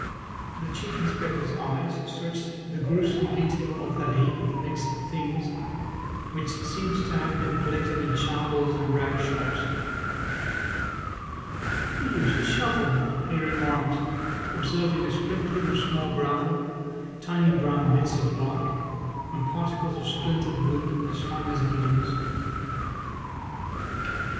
The Chief Inspector's eyes searched the gruesome detail of that heap of mixed things, which seemed to have been collected in shambles and rag shops. "You used a shovel," he remarked, observing a sprinkling of small gravel, tiny brown bits of bark, and particles of splintered wood as fine as needles.